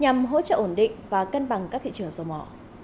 nhằm hỗ trợ ổn định và cân bằng các thị trường dầu mỏ